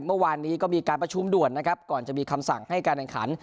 เมื่อวานนี้ก็มีการประชุมด่วนนะครับก่อนจะมีคำสั่งให้การแข่งขัน